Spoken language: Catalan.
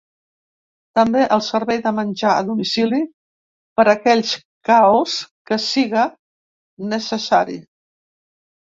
També el servei de menjar a domicili per a aquells caos que siga necessari.